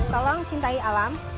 tolong cintai alam